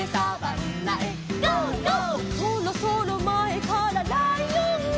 「そろそろ前からライオン」